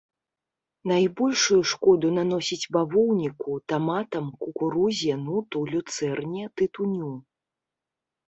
Найбольшую шкоду наносіць бавоўніку, таматам, кукурузе, нуту, люцэрне, тытуню.